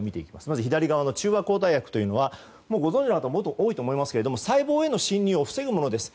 まず左側の中和抗体薬というのはもう、ご存じの方も多いと思いますけど細胞への侵入を防ぐものです。